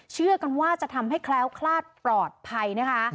เชื่อกันว่าจะทำให้แคล้วคลาดปลอดภัยนะคะ